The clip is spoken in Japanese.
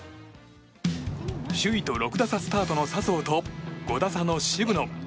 首位と６打差スタートの笹生と５打差の渋野。